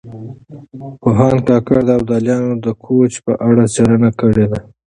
پوهاند کاکړ د ابدالیانو د کوچ په اړه څېړنه کړې ده.